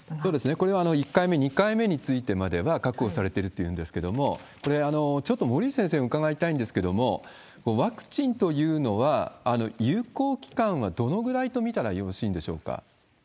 これは１回目、２回目についてまでは確保されているというんですけれども、これ、ちょっと森内先生に伺いたいんですけれども、ワクチンというのは、有効期間はどのぐらいと見たらよろしいんでしょうか？